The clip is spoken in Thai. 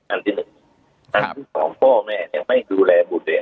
ที่หนึ่งอันที่สองพ่อแม่เนี่ยไม่ดูแลบุตรเลย